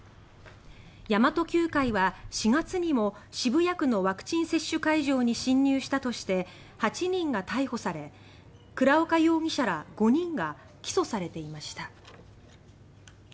神真都Ｑ会は４月にも渋谷区のワクチン接種会場に侵入したとして８人が逮捕され倉岡容疑者ら５人が起訴されていました。